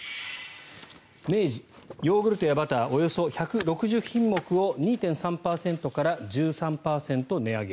明治、ヨーグルトやバターおよそ１６０品目を２．３％から１３％値上げ。